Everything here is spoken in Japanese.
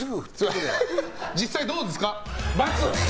実際どうですか？